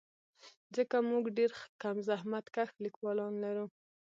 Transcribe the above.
ځکه موږ ډېر کم زحمتکښ لیکوالان لرو.